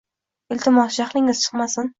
Iltimos, jahlingiz chiqmasin.